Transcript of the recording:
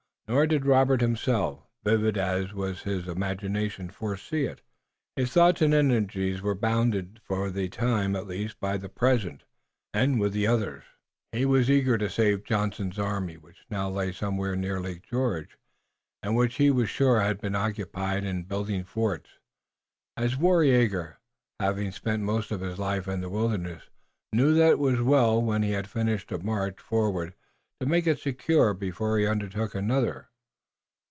Nor did Robert himself, vivid as was his imagination, foresee it. His thoughts and energies were bounded for the time, at least, by the present, and, with the others, he was eager to save Johnson's army, which now lay somewhere near Lake George, and which he was sure had been occupied in building forts, as Waraiyageh, having spent most of his life in the wilderness, knew that it was well when he had finished a march forward to make it secure before he undertook another.